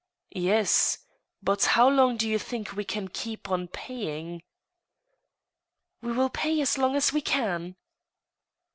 " Yes. But how long do you think we can Iceep on paymg? "" We will pay as long as we can."